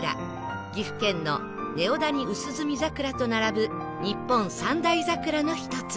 岐阜県の根尾谷淡墨桜と並ぶ日本三大桜の一つ